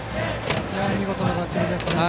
見事なバッティングですね。